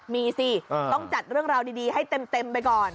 มีสิต้องจัดเรื่องราวดีให้เต็มไปก่อน